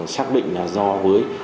xác định là do với